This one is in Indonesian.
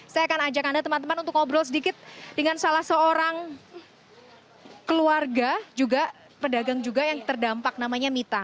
saya akan ajak anda teman teman untuk ngobrol sedikit dengan salah seorang keluarga juga pedagang juga yang terdampak namanya mita